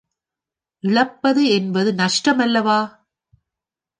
இழப்பது என்பது நஷ்டம் அல்லவா?